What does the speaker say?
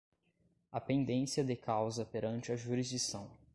A pendência de causa perante a jurisdição